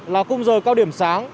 là cùng giờ cao điểm sáng